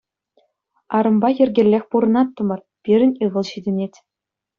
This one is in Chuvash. Арӑмпа йӗркеллех пурӑнаттӑмӑр, пирӗн ывӑл ҫитӗнет.